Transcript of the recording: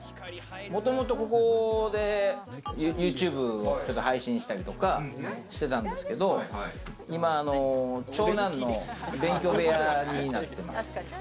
もともとここでＹｏｕＴｕｂｅをちょっと配信したりとかしてたんですけど、今、長男の勉強部屋になってます。